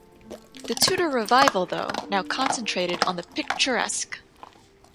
The Tudor revival, though, now concentrated on the picturesque.